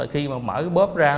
khi mà mở cái bóp ra